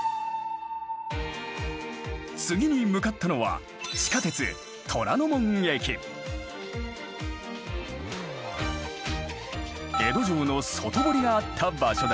次に向かったのは地下鉄江戸城の外堀があった場所だ。